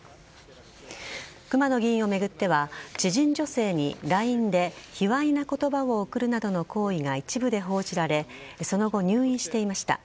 熊野議員を巡っては、知人女性にＬＩＮＥでひわいな言葉を送るなどの行為が一部で報じられその後、入院していました。